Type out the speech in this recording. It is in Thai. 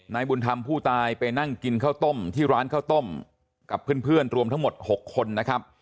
นายบุญธรรมผู้ตายไปนั่งกินข้าวต้มที่ร้านข้าวต้มกับเพื่อนรวมทั้งหมด๖คนนะครับ